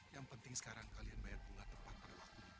yang penting sekarang kalian bayar bunga tepat pada waktu